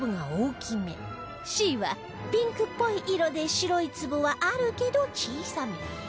Ｃ はピンクっぽい色で白いツブはあるけど小さめ